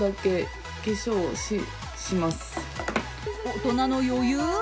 大人の余裕？